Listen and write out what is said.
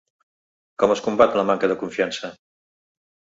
Com es combat la manca de confiança?